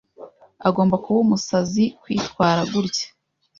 Agomba kuba umusazi kwitwara gutya.